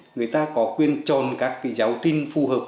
người ta có quyền chọn các cái giáo trình phù hợp